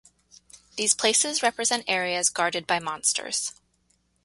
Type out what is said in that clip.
These places represent areas guarded by monsters.